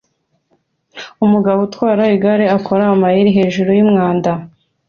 Umugabo utwara igare akora amayeri hejuru yumwanda